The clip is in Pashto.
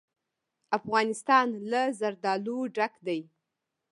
افغانستان له زردالو ډک دی.